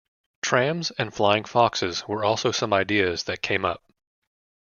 Trams and Flying Foxes were also some ideas that came up.